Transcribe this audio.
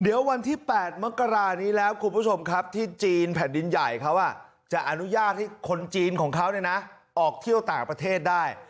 เดี๋ยววันที่๘มกรานี้แล้วคุณผู้ชมครับที่จีนแผ่นดินใหญ่เขาจะอนุญาตให้คนจีนของเขาออกเที่ยวต่างประเทศได้